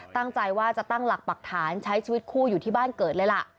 ตั้งใจว่าจะตั้งหลักปรักฐานใช้ชีวิตคู่อยู่ที่บ้านเกิดเลยล่ะ